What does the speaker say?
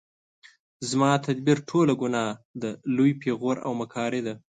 زما تدبیر ټوله ګناه ده لوی پیغور او مکاري ده